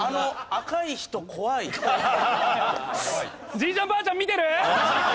じいちゃんばあちゃん見てる？